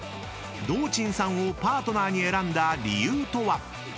［堂珍さんをパートナーに選んだ理由とは？］